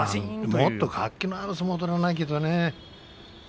もっと活気のある相撲を取らないとね。